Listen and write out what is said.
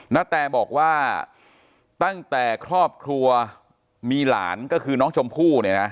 นาแตบอกว่าตั้งแต่ครอบครัวมีหลานก็คือน้องชมพู่เนี่ยนะ